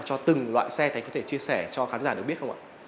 cho từng loại xe thấy có thể chia sẻ cho khán giả được biết không ạ